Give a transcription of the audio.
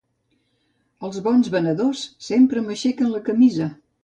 Els bons venedors sempre m'aixequen la camisa.